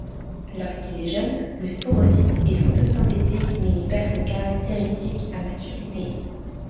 Lorsqu'il est jeune, le sporophyte est photosynthétique mais il perd cette caractéristique à maturité.